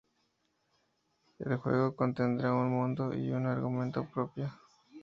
El juego contendrá un mundo y un argumento propio.